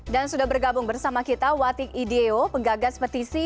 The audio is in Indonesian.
dan sudah bergabung bersama kita wati ideo penggagas petisi